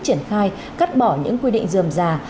triển khai cắt bỏ những quy định dườm già